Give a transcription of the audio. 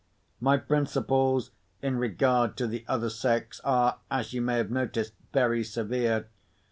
My principles, in regard to the other sex, are, as you may have noticed, very severe.